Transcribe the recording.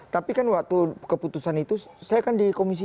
tapi kan waktu keputusan itu saya kan di komisi tiga